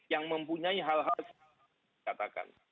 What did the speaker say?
yang mempunyai hal hal yang tidak dikatakan